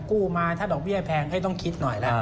กู้มาถ้าดอกเบี้ยแพงให้ต้องคิดหน่อยแล้ว